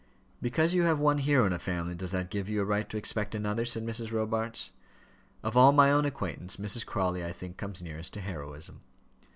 "Because you have one hero in a family, does that give you a right to expect another?" said Mrs. Robarts. "Of all my own acquaintance, Mrs. Crawley, I think, comes nearest to heroism."